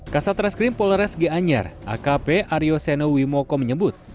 kasat reskrim polares g anyar akp arioseno wimoko menyebut